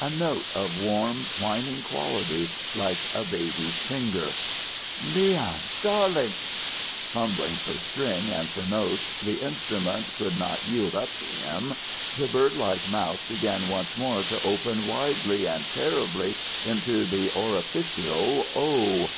A note of warm twining quality, like a baby's finger. "Leon darlink!" Fumbling for string and for notes the instrument could not yield up to him, the birdlike mouth began once more to open widely and terribly into the orificial O.